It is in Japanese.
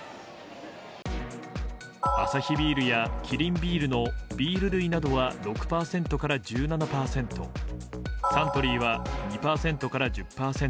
アサヒビールやキリンビールのビール類などは６％から１７％サントリーは２％から１０％